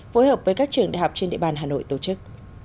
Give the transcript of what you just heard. phối hợp với các trường đại học trên địa bàn hà nội tổ chức